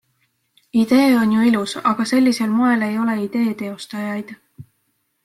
Idee on ju ilus, aga sellisel moel ei ole idee teostajaid.